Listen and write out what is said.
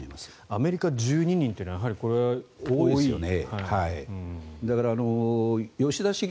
アメリカ１２人というのは多いですよね。